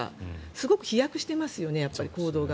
すごく飛躍してますよね行動が。